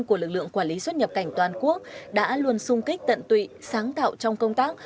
của lực lượng quản lý xuất nhập cảnh toàn quốc đã luôn sung kích tận tụy sáng tạo trong công tác